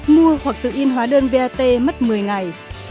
mua hoặc tự in hóa đơn vat mất một mươi ngày